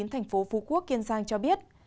tp vq kiên giang cho biết